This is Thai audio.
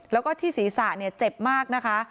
แล้วก็ที่ศีรษะเจ็บมากนะคะ